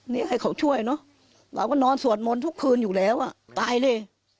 นี่ให้เขาช่วยโน้บอกว่านอนสวดหมนทุกคืนอยู่แล้วตายเลย